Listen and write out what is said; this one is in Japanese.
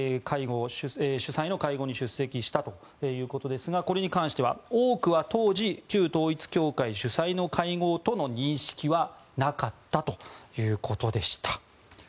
主催の会合に出席したということですがこれに関しては多くは当時、旧統一教会主催の会合との認識はなかったということでした。